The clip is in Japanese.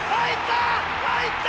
入った！